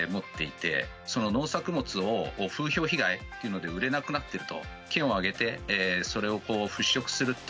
農作物を風評被害というので売れなくなってると。